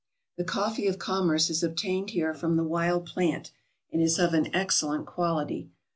The coffee of commerce is obtained here from the wild plant, and is of an excellent quality.